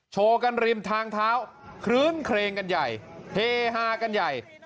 โชว์กันริมทางเท้าคลื้นเครงกันใหญ่เฮฮากันใหญ่